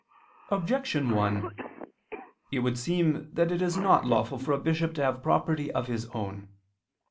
Objection 1: It would seem that it is not lawful for a bishop to have property of his own.